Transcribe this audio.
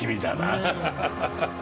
アハハハ。